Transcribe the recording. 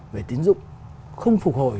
về tín dụng không phục hồi